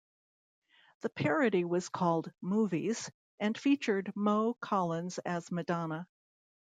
The parody was called "Movies", and featured Mo Collins as Madonna.